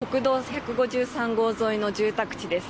国道１５３号沿いの住宅地です。